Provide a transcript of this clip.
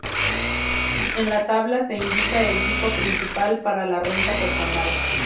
En la tabla se indica el tipo principal para la renta personal.